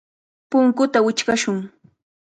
Punkuta wichqashun.